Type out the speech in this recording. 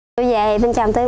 tôi về bên chồng tôi